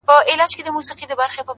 خپل ذهن د زده کړې لپاره پرانیزئ,